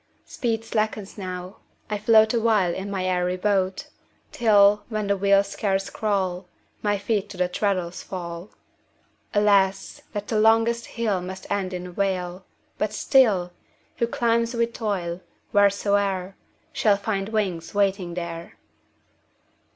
Speed slackens now, I float Awhile in my airy boat; Till, when the wheels scarce crawl, My feet to the treadles fall. 20 Alas, that the longest hill Must end in a vale; but still, Who climbs with toil, wheresoe'er, Shall find wings waiting there.